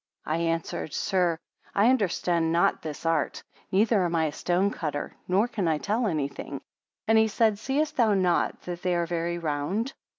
I answered, Sir, I understand not this art; neither am I a stone cutter, nor can I tell anything. 76 And he said, seest thou not that they are very round?